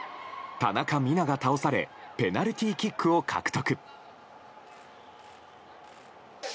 田中美南が倒されペナルティーキックを獲得。